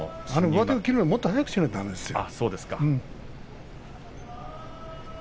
上手を切るのはもっと早くしないとだめですよ。